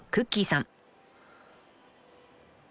さん］